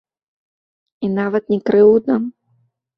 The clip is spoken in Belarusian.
І нават не крыўдна.